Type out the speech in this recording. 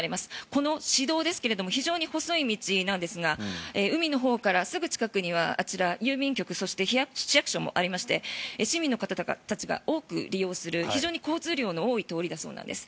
この市道ですが非常に細い道なんですがすぐ近くには、郵便局そして、市役所もありまして市民の方たちが多く利用する非常に交通量の多い通りなんだそうです。